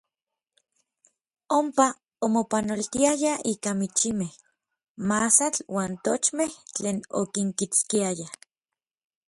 Onpa omopanoltiayaj ika michimej, masatl uan tochmej tlen okinkitskiayaj.